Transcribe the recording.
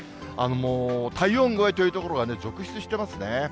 もう体温超えという所が続出してますね。